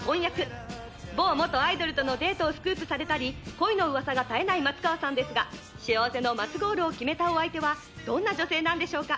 「某元アイドルとのデートをスクープされたり恋の噂が絶えない松川さんですが幸せの松ゴールを決めたお相手はどんな女性なんでしょうか？